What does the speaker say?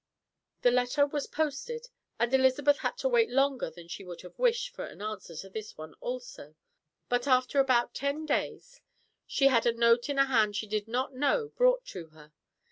The letter was posted, and Elizabeth had to wait longer than she would have wished for an answer to this one also, but after about ten days she had a note in a hand she did not know was brought to her.